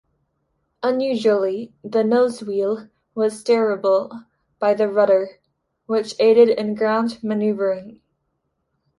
Unusually, the nosewheel was steerable by the rudder, which aided in ground maneuvering.